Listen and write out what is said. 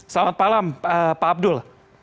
selamat malam pak abdul